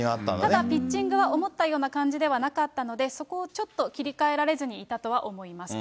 ただ、ピッチングは思ったような感じではなかったので、そこをちょっと切り替えられずにいたとは思いますと。